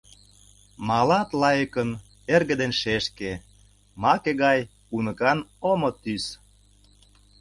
Малат лайыкын эрге ден шешке, маке гай уныкан омо тӱс.